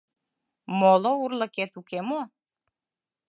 — Моло урлыкет уке мо?